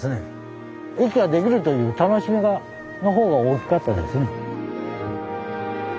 駅が出来るという楽しみの方が大きかったですね。